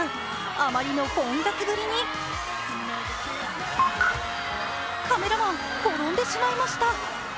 あまりの混雑ぶりにカメラマン、転んでしまいました。